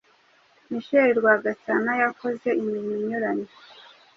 Michel Rwagasana yakoze imirimo inyuranye.